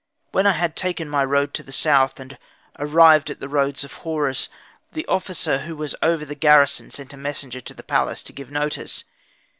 When I had taken my road to the south, and arrived at the roads of Horus, the officer who was over the garrison sent a messenger to the palace to give notice.